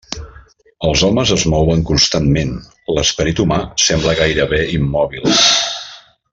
Els homes es mouen constantment, l'esperit humà sembla gairebé immòbil.